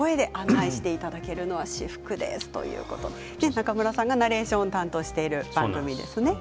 中村さんがナレーションを担当している番組ですね。